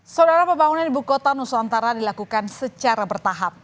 saudara pembangunan ibu kota nusantara dilakukan secara bertahap